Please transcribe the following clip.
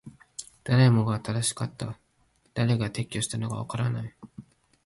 誰もが正しかった。誰が撤去したのかはわからない。